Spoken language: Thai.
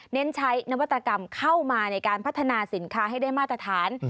เน้นใช้นวัตกรรมเข้ามาในการพัฒนาสินค้าให้ได้มาตรฐาน